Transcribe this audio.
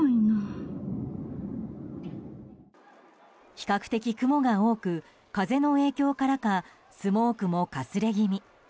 比較的雲が多く風の影響からかスモークもかすれ気味。